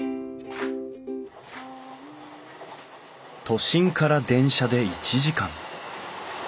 都心から電車で１時間。